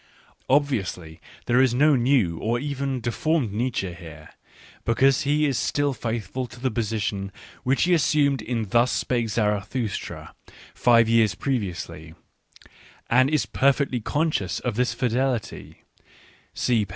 Obviously there is no new or even deformed Nietzsche here, because he is still faithful to the position which he assumed in Thus spake Zarathustra, five years previously, and is per fectly conscious of this fidelity (see p.